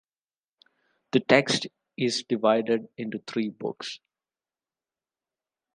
The text is divided into three Books.